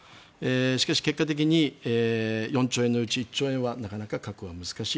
しかし、結果的に４兆円のうち１兆円はなかなか確保が難しい。